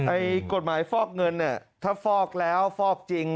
ไอ้กฎหมายฟอกเงินถ้าฟอกแล้วฟอกจริง